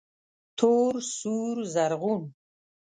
تور، سور، رزغون